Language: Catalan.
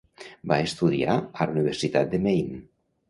Va estudiar a la Universitat de Maine.